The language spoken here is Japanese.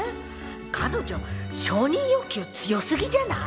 彼女承認欲求強すぎじゃない？